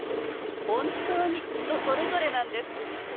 本当に人それぞれなんです。